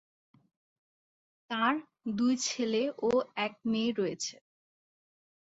তাঁর দুই ছেলে ও এক মেয়ে রয়েছে।